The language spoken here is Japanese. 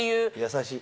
優しい。